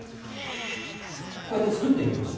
こうやって作ってみましょう。